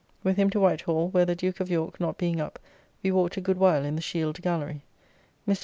With him to White Hall, where the Duke of York not being up, we walked a good while in the Shield Gallery. Mr.